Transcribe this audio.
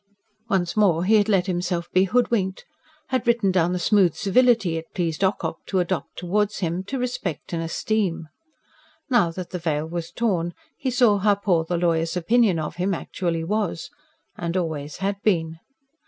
Once more he had let himself be hoodwinked; had written down the smooth civility it pleased Ocock to adopt towards him to respect and esteem. Now that the veil was torn, he saw how poor the lawyer's opinion of him actually was. And always had been.